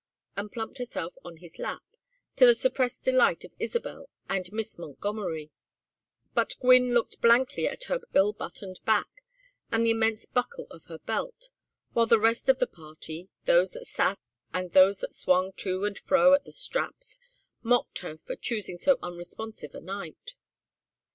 and plumped herself on his lap, to the suppressed delight of Isabel and Miss Montgomery. But Gwynne looked blankly at her ill buttoned back and the immense buckle of her belt, while the rest of the party, those that sat and those that swung to and fro at the straps, mocked her for choosing so unresponsive a knight.